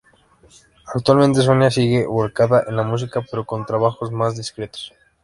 Actualmente Sonia sigue volcada en la música pero con trabajos más discretos.